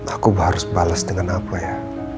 aku harus balas dengan apa ya